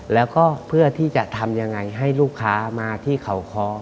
แล้วก็เพื่อที่จะทำยังไงให้ลูกค้ามาที่เขาคอ